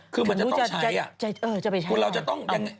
คือมันจะต้องใช้อ่ะคุณเราจะต้องอย่างนี้